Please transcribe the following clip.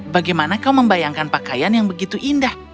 bagaimana kau membayangkan pakaian yang begitu indah